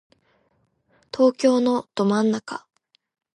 東京のど真ん中